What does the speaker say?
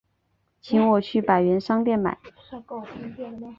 请我去百元商店买